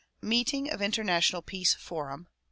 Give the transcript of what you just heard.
Meeting of International Peace Forum.